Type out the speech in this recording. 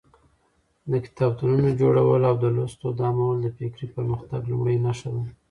د کتابتونونو جوړول او د لوست دود عامول د فکري پرمختګ لومړۍ نښه ده.